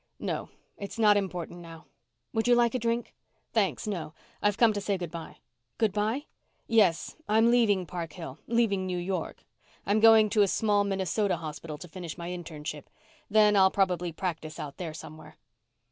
"No. It's not important now." "Would you like a drink?" "Thanks, no. I've come to say good bye." "Good bye?" "Yes. I'm leaving Park Hill leaving New York. I'm going into a small Minnesota hospital to finish my internship. Then I'll probably practice out there somewhere."